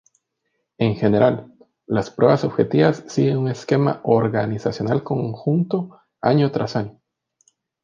En general, las pruebas objetivas siguen un esquema organizacional conjunto año tras año.